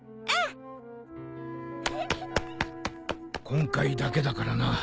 今回だけだからな。